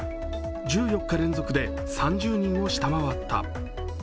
１４日連続で３０人を下回った。